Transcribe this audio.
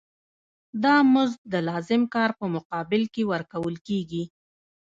دا مزد د لازم کار په مقابل کې ورکول کېږي